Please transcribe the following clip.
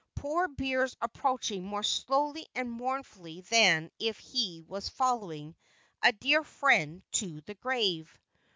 Poor Beers approached more slowly and mournfully than if he was following a dear friend to the grave.